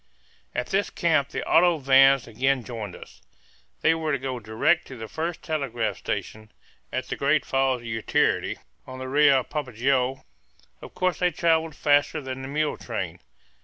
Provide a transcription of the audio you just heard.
At this camp the auto vans again joined us. They were to go direct to the first telegraph station, at the great falls of the Utiarity, on the Rio Papagaio. Of course they travelled faster than the mule train.